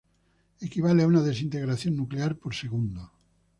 Equivale a una desintegración nuclear por segundo.